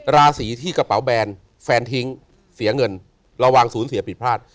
ราศีที่กระเป๋าแบนแฟนทิ้งเสียเงินระวังศูนย์เสียผิดพลาด